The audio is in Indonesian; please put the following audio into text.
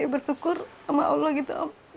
bersyukur sama allah gitu